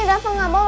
rafa gak mau